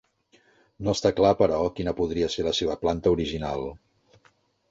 No està clar, però, quina podria ser la seva planta original.